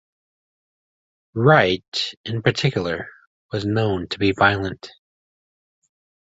Wright, in particular, was known to be violent.